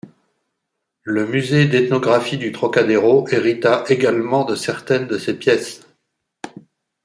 Le musée d’ethnographie du Trocadéro hérita également de certaines de ses pièces.